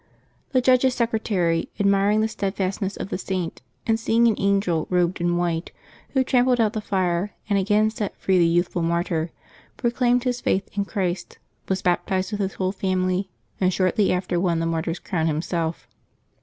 The judge's secretary, admiring the steadfastness of the Saint, and seeing an angel robed in white, who trampled out the fire and again set free the youthful martyr, proclaimed his faith in Christ, was baptized with his whole family, and shortly after won the martyr's crown himself.